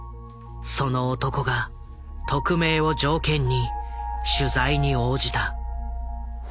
その男が匿名を条件に取材に応じた。